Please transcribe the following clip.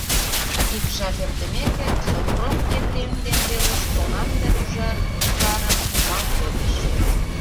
Ик жап эртымеке, Сопром Епрем ден Веруш оҥам да пужар-ӱзгарым нумал тольыч.